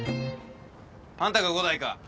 あんたが伍代か？